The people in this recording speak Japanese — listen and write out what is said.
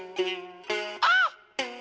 あっ！